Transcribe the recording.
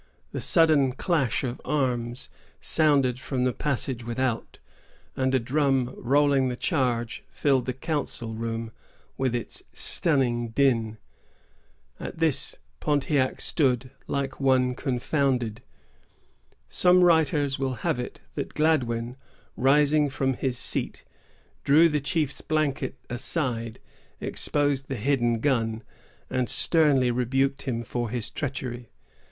The sudden clash of arms sounded from the passage without, and a drum rolling the charge filled the council room with its stunning din. At this, Pontiac stood like one confounded. Some writers will have it, that Gladwyn, rising from his seat, drew the chief's blanket aside, exposed the hidden gun, and sternly rebuked him for his treachery.